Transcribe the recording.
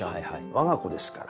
我が子ですから。